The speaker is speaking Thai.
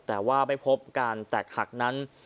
แต่ว่าไม่พบการแตกหักนั้น